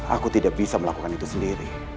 aku tidak bisa melakukan itu sendiri